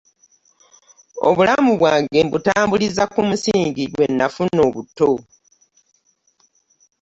Obulamu bwange mbutambuliza ku musingi gwe nafuna obuto.